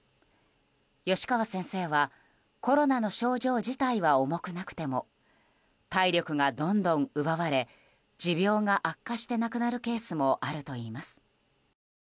吉川先生はコロナの症状自体は重くなくても体力がどんどん奪われ持病が悪化して亡くなるケースもあるといいます。